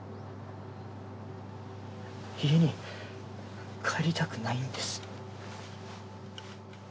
家に帰りたくないんです。